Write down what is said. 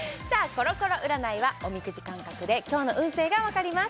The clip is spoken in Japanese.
コロコロ占いはおみくじ感覚で今日の運勢がわかります